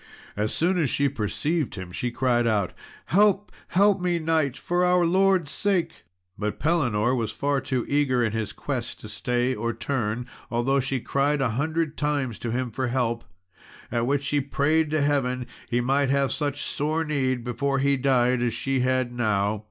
As soon as she perceived him she cried out, "Help, help me, knight, for our Lord's sake!" But Pellinore was far too eager in his quest to stay or turn, although she cried a hundred times to him for help; at which she prayed to heaven he might have such sore need before he died as she had now.